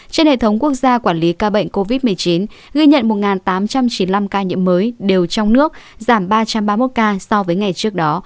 trên hệ thống quốc gia quản lý ca bệnh covid một mươi chín ghi nhận một tám trăm chín mươi năm ca nhiễm mới đều trong nước giảm ba trăm ba mươi một ca so với ngày trước đó